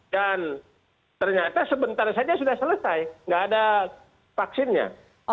dan ternyata sebentar saja sudah selesai tidak ada vaksinnya